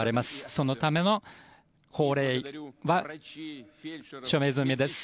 そのための法令は署名済みです。